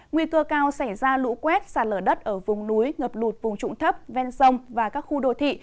nguy cơ cao xảy ra lũ quét sạt lở đất ở vùng núi ngập lụt vùng trụng thấp ven sông và các khu đô thị